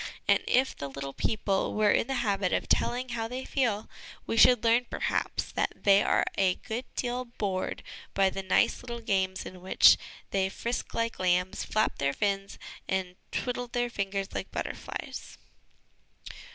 And, if the little people were in the habit of telling ho v they feel, we should learn perhaps that they are a good deal bored by the nice little games in which they frisk like lambs, flap their fins, and twiddle their fingers like butterflies.